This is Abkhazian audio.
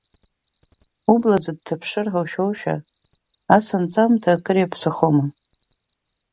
Убла аӡә дҭаԥшыр ҳәа ушәошәа, ас анҵамҭа акыр иаԥсахома.